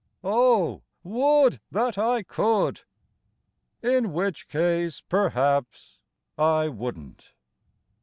O would that I could! In which case, perhaps, I wouldn't.